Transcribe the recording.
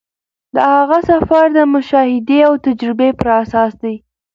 د هغه سفر د مشاهدې او تجربې پر اساس دی.